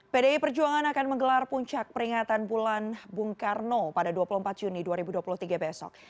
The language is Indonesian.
pdi perjuangan akan menggelar puncak peringatan bulan bung karno pada dua puluh empat juni dua ribu dua puluh tiga besok